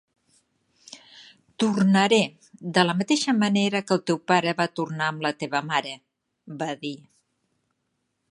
"Tornaré, de la mateixa manera que el teu pare va tornar amb la teva mare", va dir.